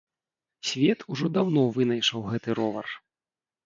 Свет ўжо даўно вынайшаў гэты ровар.